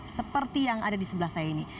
seperti yang ada di sebelah saya ini